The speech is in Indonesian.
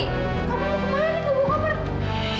kamu mau pergi